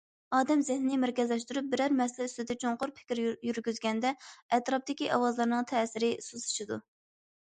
ئادەم زېھنىنى مەركەزلەشتۈرۈپ، بىرەر مەسىلە ئۈستىدە چوڭقۇر پىكىر يۈرگۈزگەندە، ئەتراپتىكى ئاۋازلارنىڭ تەسىرى سۇسلىشىدۇ.